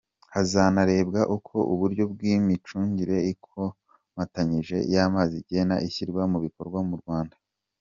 Hazanarebwa uko uburyo bw’imicungire ikomatanyije y’amazi igenda ishyirwa mu bikorwa mu Rwanda.